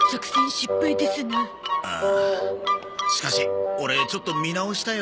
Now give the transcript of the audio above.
しかしオレちょっと見直したよ。